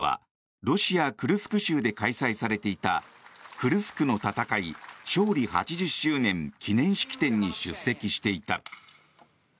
墜落があった先月２３日の夕方プーチン大統領はロシア・クルスク州で開催されていたクルスクの戦い勝利８０周年記念式典に出席していた。